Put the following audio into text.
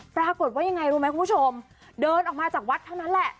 ปรากฏว่ายังไงรู้ไหมคุณผู้ชมเดินออกมาจากวัดเท่านั้นแหละ